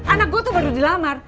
anak gue tuh baru dilamar